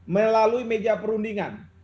melalui meja perundingan